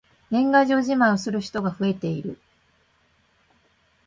年賀状じまいをする人が増えている。